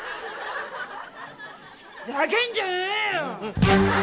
ざけんじゃねえよ！